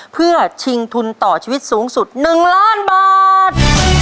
เพื่อชิงทุนต่อชีวิตสูงสุด๑ล้านบาท